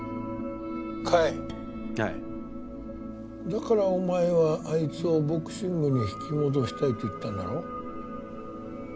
だからお前はあいつをボクシングに引き戻したいと言ったんだろ？